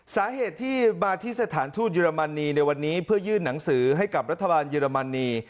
สาเหตุที่มาที่สถานทูตเยอรมนีในวันนี้เพื่อยื่นหนังสือให้กับรัฐบาลเยอรมนี